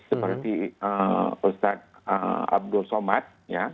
seperti ustadz abdul somad